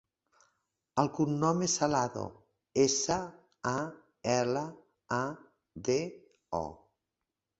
El cognom és Salado: essa, a, ela, a, de, o.